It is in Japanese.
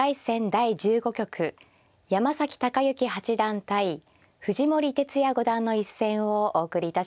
第１５局山崎隆之八段対藤森哲也五段の一戦をお送りいたします。